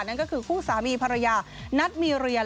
นั่นก็คือคู่สามีภรรยานัทมีเรียน